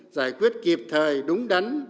giải quyết kịp thời đúng đắn